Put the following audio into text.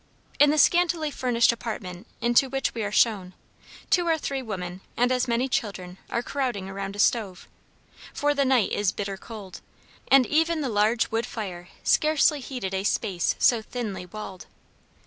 In the scantily furnished apartment into which we are shown, two or three women and as many children are crowding around a stove, for the night is bitter cold, and even the large wood fire scarcely heated a space so thinly walled.